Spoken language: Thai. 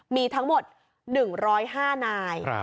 มีทั้งหมด๑๐๕นาย